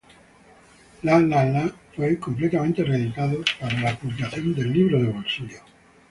La La La fue completamente reeditado para la publicación de libro de bolsillo.